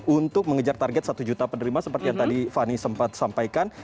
untuk mengejar target satu juta penerima seperti yang tadi fani sempat sampaikan